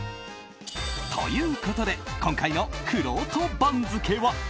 ということで今回のくろうと番付は。